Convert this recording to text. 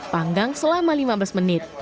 panggang selama lima belas menit